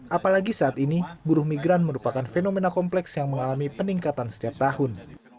apalagi saat ini buruh migran merupakan fenomena kompleks yang mengalami peningkatan setiap tahun